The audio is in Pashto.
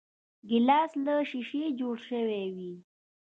ګیلاس له شیشې جوړ شوی وي.